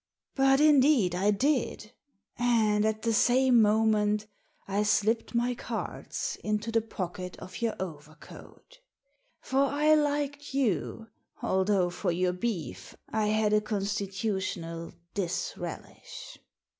" ''But indeed I did, and at the same moment I slipped my cards into the pocket of your overcoat For I liked you, although for your beef I had a constitutional disrelish."